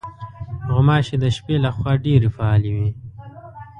غوماشې د شپې له خوا ډېرې فعالې وي.